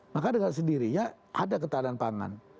maka dengan sendirinya ada ketahanan pangan